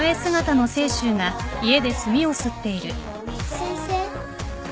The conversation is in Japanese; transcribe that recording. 先生。